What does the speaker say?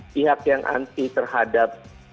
pihak yang anti terhadap